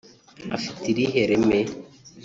afite irihe reme